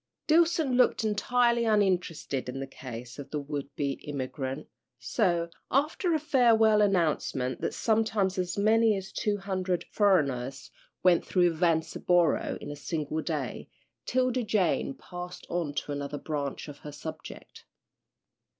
Dillson looked entirely uninterested in the case of the would be immigrant, so, after a farewell announcement that sometimes as many as two hundred "furriners" went through Vanceboro in a single day, 'Tilda Jane passed on to another branch of her subject.